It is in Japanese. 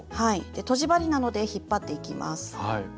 とじ針などで引っ張っていきます。